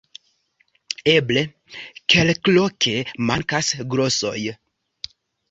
Eble, kelkloke mankas glosoj.